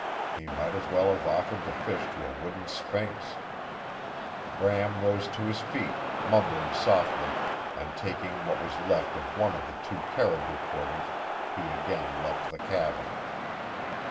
He might as well have offered the fish to a wooden sphinx. Bram rose to his feet, mumbling softly, and taking what was left of one of the two caribou quarters he again left the cabin.